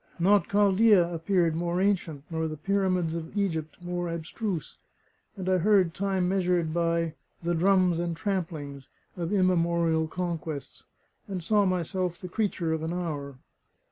Not Chaldea appeared more ancient, nor the Pyramids of Egypt more abstruse; and I heard time measured by "the drums and tramplings" of immemorial conquests, and saw myself the creature of an hour.